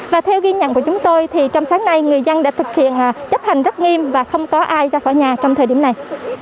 và theo ghi nhận của chúng tôi thì trong sáng nay người dân đã thực hiện chấp hành rất nghiêm và không có ai ra khỏi nhà trong thời điểm này